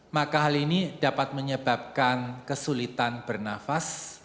maka hal ini dapat menyebabkan kesulitan bernafas